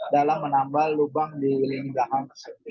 dalam menambah lubang di linggahan